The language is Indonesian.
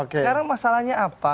sekarang masalahnya apa